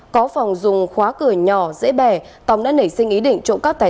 có được thông tin hợp lý